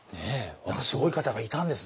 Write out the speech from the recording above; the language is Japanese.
またすごい方がいたんですね。